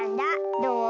どう？